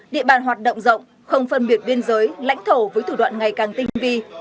địa bàn hoạt động rộng không phân biệt biên giới lãnh thổ với thủ đoạn ngày càng tinh vi